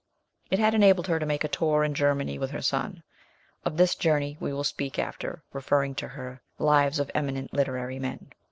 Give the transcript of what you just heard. It had enabled her to make a tonr in Germany with her son ; of this journey we will speak after referring to her Lives of Eminent Literary Men.